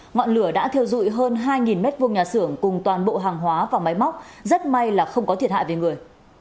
ngọn lửa đã thiêu dụi hơn hai m hai nhà xưởng cùng toàn bộ hàng hóa và máy móc rất may là không có thiệt hại về người